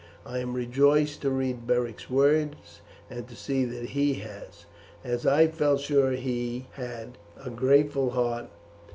I am rejoiced to read Beric's words, and to see that he has, as I felt sure he had, a grateful heart.